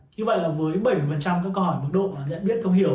như vậy là với bảy mươi các câu hỏi mức độ nhận biết thông hiểu